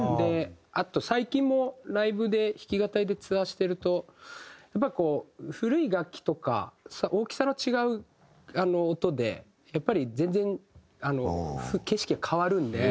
あと最近もライブで弾き語りでツアーしてるとやっぱりこう古い楽器とか大きさの違う音でやっぱり全然景色が変わるんで。